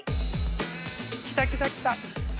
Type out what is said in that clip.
来た来た来た。